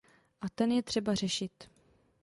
A ten je třeba řešit.